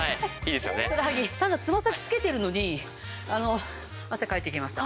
つま先つけてるのにあの汗かいてきました。